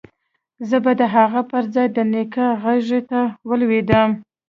زه به د هغه پر ځاى د نيکه غېږې ته ولوېدم.